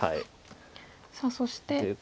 さあそして。